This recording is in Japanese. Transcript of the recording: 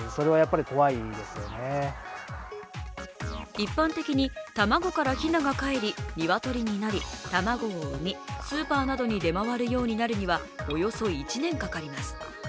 一般的に卵からひながかえり、鶏になり、卵を産み、スーパーなどに出回るようになるにはおよそ１年かかります。